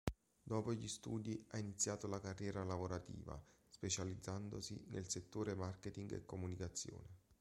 Dopo gli studi ha iniziato la carriera lavorativa, specializzandosi nel settore marketing e comunicazione.